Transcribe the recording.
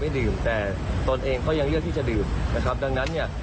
ดื่มแต่ตนเองก็ยังเลือกที่จะดื่มนะครับดังนั้นเนี่ย